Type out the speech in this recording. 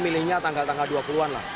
milihnya tanggal tanggal dua puluh an lah